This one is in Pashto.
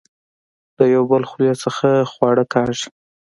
د يو بل خولې څخه خواړۀ کاږي